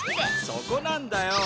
そこなんだよ。